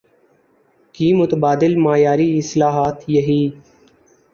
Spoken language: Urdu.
کی متبادل معیاری اصطلاحات یہی